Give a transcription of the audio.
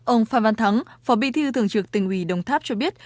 ông phan văn thắng phó bị thư thường trực tỉnh huy đồng tháp cho biết